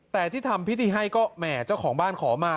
แต่ที่ทำพิธีให้ก็แหม่เจ้าของบ้านขอมา